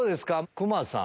クマさん。